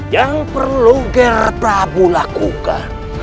yang perlu ger prabu lakukan